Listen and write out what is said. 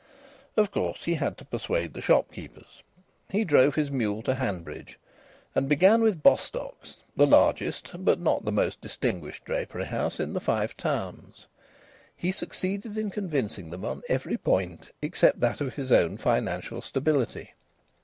Of course, he had to persuade the shopkeepers. He drove his mule to Hanbridge and began with Bostocks, the largest but not the most distinguished drapery house in the Five Towns. He succeeded in convincing them on every point except that of his own financial stability.